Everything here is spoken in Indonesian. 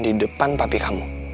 di depan papi kamu